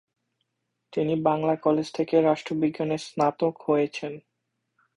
তিনি বাংলা কলেজ থেকে রাষ্ট্রবিজ্ঞানে স্নাতক হয়েছেন।